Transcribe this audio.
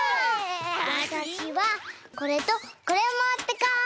わたしはこれとこれもってこっと。